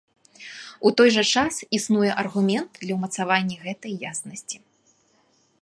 У той жа час існуе аргумент для ўмацавання гэтай яснасці.